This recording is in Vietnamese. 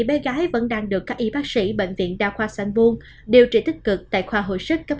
bé gái vẫn đang được các y bác sĩ bệnh viện đa khoa sanborn điều trị tích cực tại khoa hội sức cấp